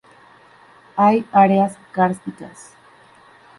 Hay áreas kársticas.